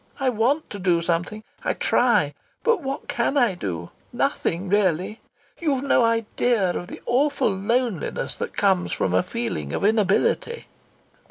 I want to do something! I try! But what can I do? Nothing really! You've no idea of the awful loneliness that comes from a feeling of inability."